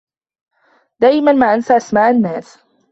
دائما ما أنسى أسماء النّاس.